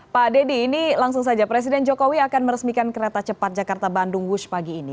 pak deddy ini langsung saja presiden jokowi akan meresmikan kereta cepat jakarta bandung wush pagi ini